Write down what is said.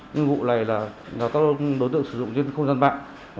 những vụ này là các đối tượng sử dụng trên không gian mạng